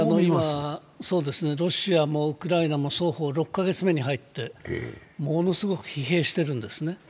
ロシアもウクライナも双方６カ月目に入ってものすごく疲弊してるんですね。